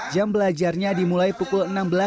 jam belajarnya dimulai pukul enam belas tiga puluh